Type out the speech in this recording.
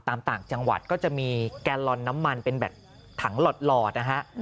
ต่างจังหวัดก็จะมีแกลลอนน้ำมันเป็นแบบถังหลอดนะฮะ